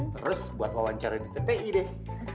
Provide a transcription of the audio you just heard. terus buat wawancara di tpi deh